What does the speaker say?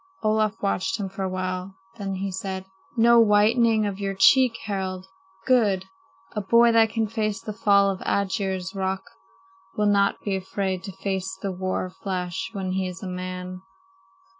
Olaf watched him for a while, then he said: "No whitening of your cheek, Harald? Good! A boy that can face the fall of Aegir's Rock will not be afraid to face the war flash when he is a man."